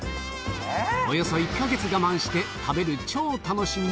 およそ１か月我慢して食べる超楽しみが。